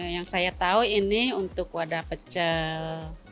yang saya tahu ini untuk wadah pecel